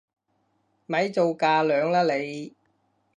咪做架樑啦你！